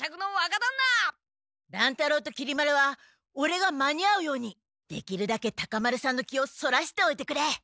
乱太郎ときり丸はオレが間に合うようにできるだけタカ丸さんの気をそらしておいてくれ。